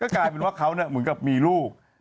กลายเป็นว่าเขาเหมือนกับมีลูก